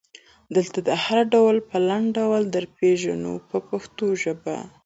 دلته دا هر ډول په لنډ ډول درپېژنو په پښتو ژبه.